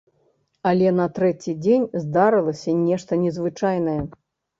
Але на трэці дзень здарылася нешта незвычайнае.